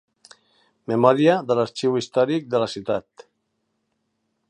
Memòria de l’Arxiu històric de la Ciutat.